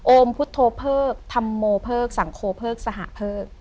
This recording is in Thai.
พุทธเพิกธัมโมเพิกสังคมเพิกสหเพิก